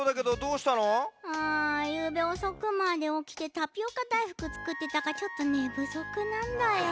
うんゆうべおそくまでおきてタピオカだいふくつくってたからちょっとねぶそくなんだよ。